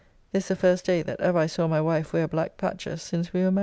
This the first day that ever I saw my wife wear black patches since we were married!